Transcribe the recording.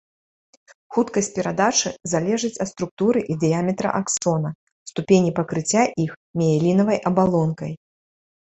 Хуткасць перадачы залежыць ад структуры і дыяметра аксона, ступені пакрыцця іх міэлінавай абалонкай.